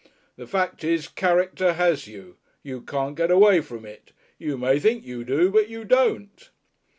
The fact is Character has you. You can't get away from it. You may think you do, but you don't."